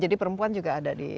jadi perempuan juga ada di sini